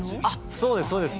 そうですそうです。